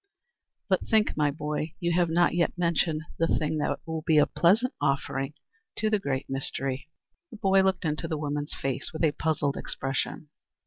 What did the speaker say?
"But think, my boy, you have not yet mentioned the thing that will be a pleasant offering to the Great Mystery." The boy looked into the woman's face with a puzzled expression.